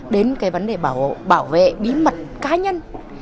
đến cái vấn đề bảo vệ bí mật cá nhân